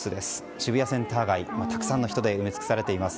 渋谷センター街がたくさんの人で埋め尽くされています。